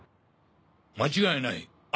間違いない哀